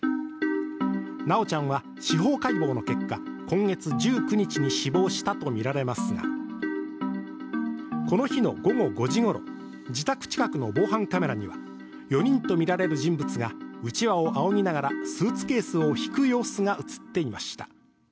修ちゃんは、司法解剖の結果今月１９日に死亡したとみられますがこの日の午後５時ごろ自宅近くの防犯カメラには４人とみられる人物がうちわをあおぎながら、スーツケースを引く様子が映っていました。